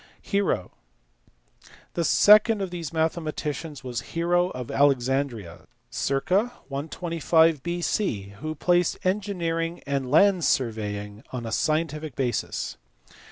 Hero*. The second of these mathematicians was Hero of Alexandria (circ. 125 B.C.) who placed engineering and land surveying on a scientific basis.